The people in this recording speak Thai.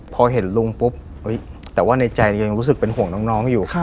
พอเห็นลุงปุ๊บแต่ว่าในใจยังรู้สึกเป็นห่วงน้องอยู่